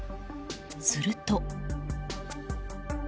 すると。